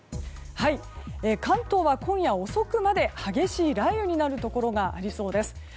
関東は今夜遅くまで激しい雷雨になるところがありそうです。